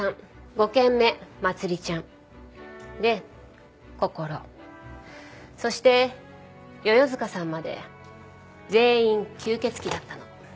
５件目まつりちゃんでこころそして世々塚さんまで全員吸血鬼だったの。